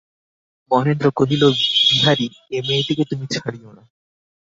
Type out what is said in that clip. মহেন্দ্র কহিল, বিহারী, এ মেয়েটিকে তুমি ছাড়িয়ো না।